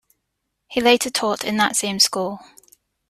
He later taught in that same school.